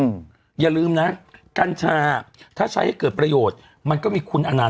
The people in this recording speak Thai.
อย่าลืมนะกัญชาถ้าใช้ให้เกิดประโยชน์มันก็มีคุณอนันต